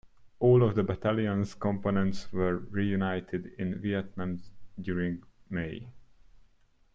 All of the battalion's components were reunited in Vietnam during May.